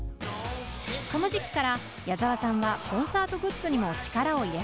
この時期から矢沢さんはコンサートグッズにも力を入れ始めます。